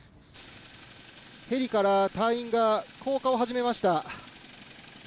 ヘリから隊員が降下を始めました。